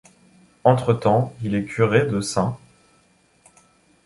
Entre-temps, il est curé de St.